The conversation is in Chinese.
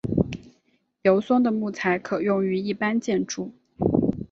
油松的木材可用于一般建筑。